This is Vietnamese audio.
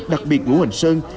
đặc biệt ngũ hành sơn